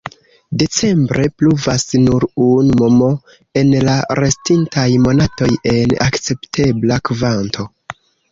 Decembre pluvas nur unu mm, en la restintaj monatoj en akceptebla kvanto.